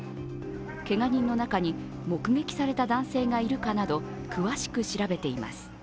けが人の中に目撃された男性がいるかなど詳しく調べています。